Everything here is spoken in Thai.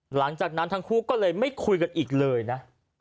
หลังจากนั้นทั้งคู่ก็เลยไม่คุยกันอีกเลยนะ